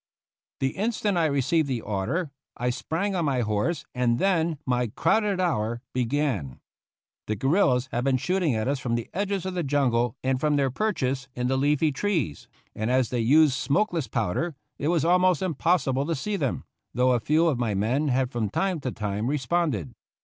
The instant I received the order I sprang on my horse and then my " crowded hour " began. The guerillas had been shooting at us from the edges of the jungle and from their perches in the leafy trees, and as they used smokeless powder, it was almost impossible to see them, though a few of my men had from time to time responded.